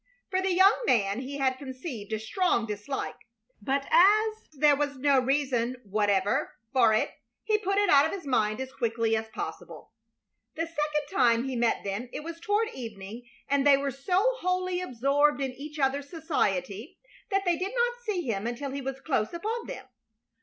For the young man he had conceived a strong dislike, but as there was no reason whatever for it he put it out of his mind as quickly as possible. The second time he met them it was toward evening and they were so wholly absorbed in each other's society that they did not see him until he was close upon them.